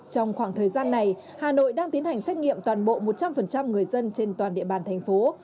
trong khoảng thời gian này hà nội đang tiến hành xét nghiệm toàn bộ một trăm linh người dân trên toàn địa bàn thành phố